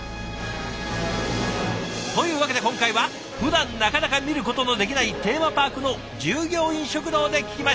というわけで今回はふだんなかなか見ることのできないテーマパークの従業員食堂で聞きました。